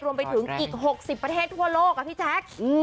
รวมไปถึงอีก๖๐ประเทศทั่วโลกอะพี่แจ๊ค